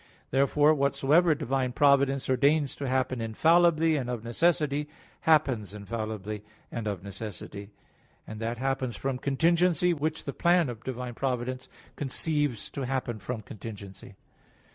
Therefore whatsoever divine providence ordains to happen infallibly and of necessity happens infallibly and of necessity; and that happens from contingency, which the plan of divine providence conceives to happen from contingency.